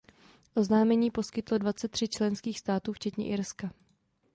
Oznámení poskytlo dvacet tři členských států včetně Irska.